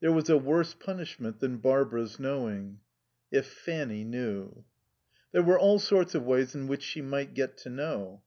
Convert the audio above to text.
There was a worse punishment than Barbara's knowing. If Fanny knew There were all sorts of ways in which she might get to know.